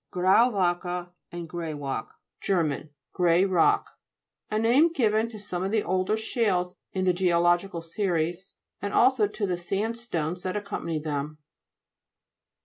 GRAU'WACKE, and GRATWACKE Ger. Grey rock. A name given to some of the older shales in the geological series, and also to the sandstones that accompany them.